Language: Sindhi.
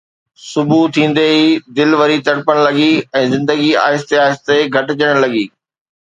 صبح ٿيندي ئي دل وري تڙپڻ لڳي، ۽ زندگي آهستي آهستي گهٽجڻ لڳي